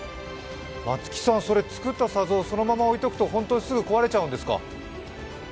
松木さん、作った砂像、そのまま置いておくとそのまま壊れちゃうんですか？